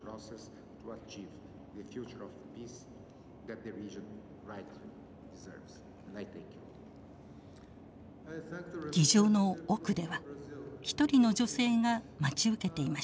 議場の奥では一人の女性が待ち受けていました。